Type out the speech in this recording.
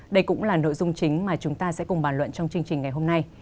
đây cũng là nội dung chính mà chúng ta sẽ cùng bàn luận trong chương trình ngày hôm nay